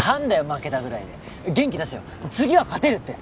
負けたぐらいで元気出せよ次は勝てるって